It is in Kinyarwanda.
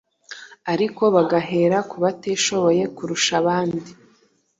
ariko bagahera ku batishoboye kurusha abandi.